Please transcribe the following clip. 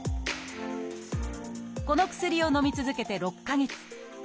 この薬をのみ続けて６か月。